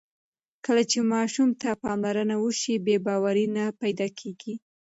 کله چې ماشوم ته پاملرنه وشي، بې باوري نه پیدا کېږي.